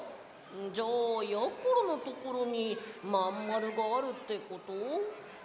じゃあやころのところにまんまるがあるってこと？